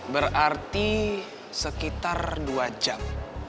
berarti sekitar dua jam